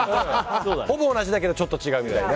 ほぼ同じだけどちょっと違うみたいな。